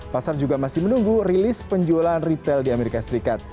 pasar juga masih menunggu rilis penjualan retail di amerika serikat